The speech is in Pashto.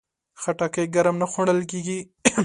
خټکی ګرم نه خوړل کېږي.